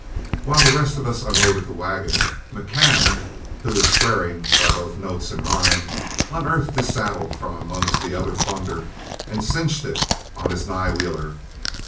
While the rest of us unloaded the wagon, McCann, who was swearing by both note and rhyme, unearthed his saddle from amongst the other plunder and cinched it on his nigh wheeler.